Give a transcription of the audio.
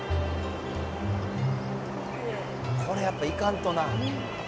これやっぱり行かんとな。